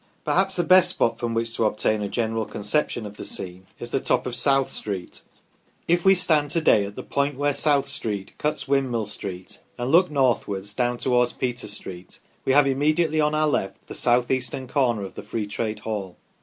Perhaps the best spot from which to obtain a general conception of the scene is the top of South Street. If we stand to day at the point where South Street cuts Windmill Street, and look northwards down towards Peter Street, we have immediately on our left the south eastern corner of the Free Trade Hall.